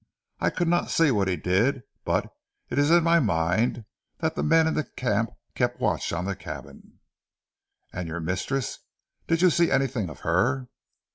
I could not see what he did, but it is in my mind that the men in the camp keep watch on the cabin." "And your mistress? Did you see anything of her?"